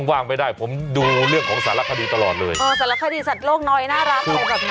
ว่างไม่ได้ผมดูเรื่องของสารคดีตลอดเลยเออสารคดีสัตว์โลกน้อยน่ารักอะไรแบบนี้